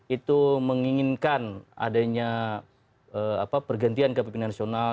itu menginginkan adanya pergantian ke bpn nasional